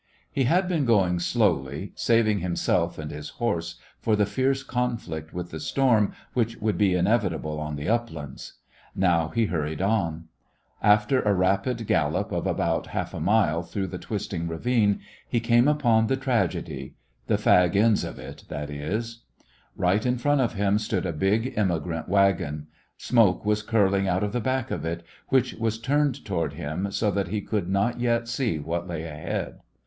He had been going slowly, saving himself and his horse for the fierce conflict with the storm which would be inevitable on the uplands. Now he hurried on. After a rapid gallop of The West Was Yotmg about half a mile through the twist ing ravine he came upon the tragedy — the fag ends of it, that is. Right in front of him stood a big emigrant wagon. Smoke was curling out of the back of it, which was turned toward him so that he could not yet see what lay ahead.